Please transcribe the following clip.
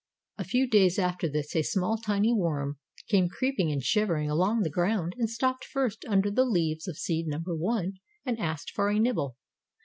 A few days after this a small, tiny worm came creeping and shivering along the ground and stopped first under the leaves of seed number One and asked for a nibble.